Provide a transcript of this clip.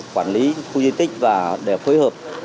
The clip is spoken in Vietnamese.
để giải thích và để phối hợp